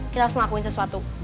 kita harus ngelakuin sesuatu